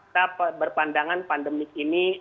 tetap berpandangan pandemik ini